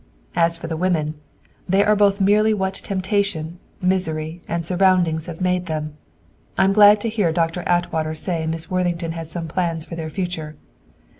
As for the women, they are both merely what temptation, misery, and surroundings have made them. I'm glad to hear Doctor Atwater say Miss Worthington has some plans for their future.